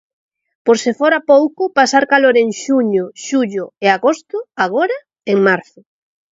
Por se fora pouco pasar calor en xuño, xullo e agosto, agora en marzo.